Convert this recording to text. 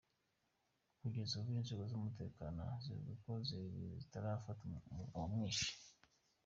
Kugeza n’ubu, Inzego z’umutekano zivuga ko zitarafata uwamwishe.